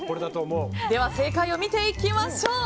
正解を見ていきましょう。